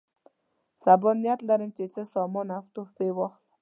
سبا نیت لرم یو څه سامان او تحفې واخلم.